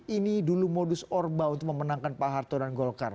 ini dulu modus orba untuk memenangkan pak harto dan golkar